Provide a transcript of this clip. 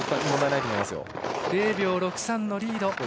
０秒６３のリード。